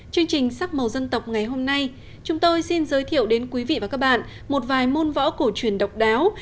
chương trình sắc màu dân tộc ngày hôm nay chúng tôi xin giới thiệu đến quý vị và các bạn một vài môn võ cổ truyền độc đáo